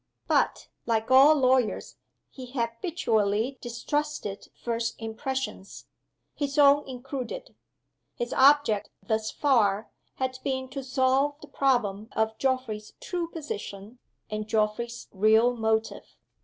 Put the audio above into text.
But, like all lawyers, he habitually distrusted first impressions, his own included. His object, thus far, had been to solve the problem of Geoffrey's true position and Geoffrey's real motive.